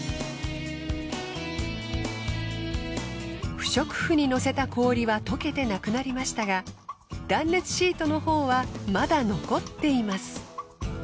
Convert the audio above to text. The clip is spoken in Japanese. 不織布に乗せた氷は溶けてなくなりましたが断熱シートのほうはまだ残っています。